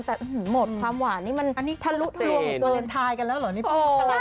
แต่หมดความหวานนี่มันทะลุลวงเดินทายกันแล้วเหรอ